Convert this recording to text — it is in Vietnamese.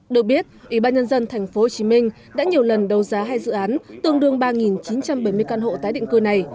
được biết ubnd tp hcm đã nhiều lần đấu giá hai dự án tương đương ba chín trăm bảy mươi căn hộ tái định cư này